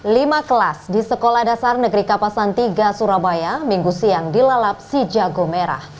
lima kelas di sekolah dasar negeri kapasan tiga surabaya minggu siang dilalap si jago merah